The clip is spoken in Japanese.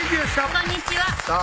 こんにちはさぁ